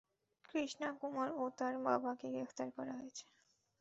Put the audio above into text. কৃষ্ণা কুমার ও তার বাবাকে গ্রেফতার করা হয়েছে।